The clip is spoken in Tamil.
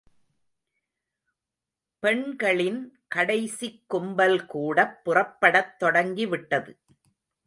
பெண்களின் கடைசிக் கும்பல் கூடப் புறப்படத் தொடங்கி விட்டது.